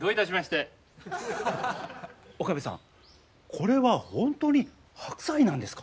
これは本当に白菜なんですか？